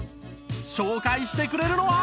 紹介してくれるのは